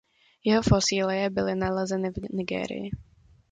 Jeho fosílie byly nalezeny v Nigérii.